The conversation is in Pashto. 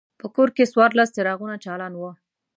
په کور کې څوارلس څراغونه چالان وو.